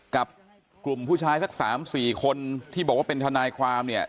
กับกลุ่มผู้ชายสัก๓๔คนที่บอกว่าเป็นทนายความเนี่ย